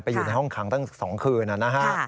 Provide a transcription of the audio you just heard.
อยู่ในห้องขังตั้ง๒คืนนะฮะ